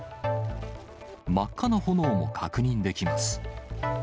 真っ赤な炎も確認できます。